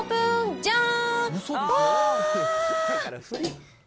じゃーん。